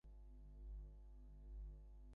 অনেক কৌশলে ও পরিশ্রমে পাত্রী স্থির হইল।